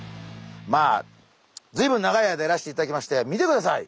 まあずいぶん長い間やらせていただきまして見てください